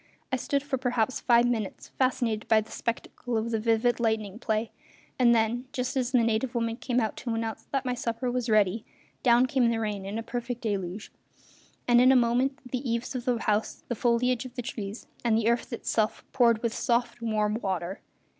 I stood for perhaps five minutes fascinated by the spectacle of the vivid lightning play; and then, just as the native woman came out to announce that my supper was ready, down came the rain in a perfect deluge; and in a moment the eaves of the house, the foliage of the trees, and the earth itself poured with soft, warm water.